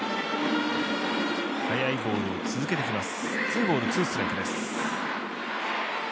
速いボールを続けてきます。